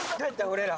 俺ら。